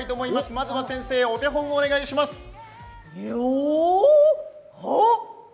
まずは先生、お手本をお願いしますよーお、はっ。